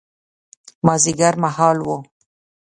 مازیګر مهال و.